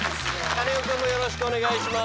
カネオくんもよろしくお願いします。